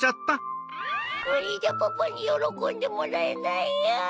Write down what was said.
これじゃパパによろこんでもらえないや。